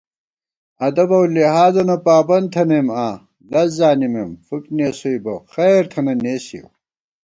ادب اؤ لحاظَنہ پابند تھنئیم آں ، لز زانِمېم ، فُک نېسُوئی بہ خیر تھنہ نېسِیَؤ